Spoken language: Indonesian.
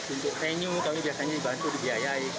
untuk venue kami biasanya dibantu dibiayai